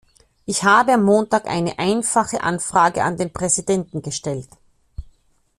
Ich habe am Montag eine einfache Anfrage an den Präsidenten gestellt.